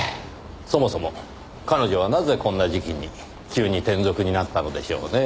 そもそも彼女はなぜこんな時期に急に転属になったのでしょうねぇ？